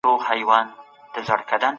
که خدمات ډیر سي هوساینه به رامنځته سي.